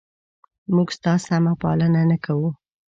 موږ ستا سمه پالنه نه کوو؟